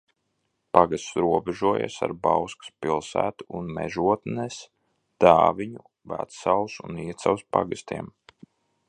Pagasts robežojas ar Bauskas pilsētu un Mežotnes, Dāviņu, Vecsaules un Iecavas pagastiem.